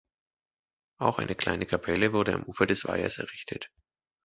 Auch eine kleine Kapelle wurde am Ufer des Weihers errichtet.